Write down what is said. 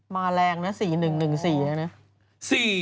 มาแรงนะ๔๑๑๔เนี่ยนะ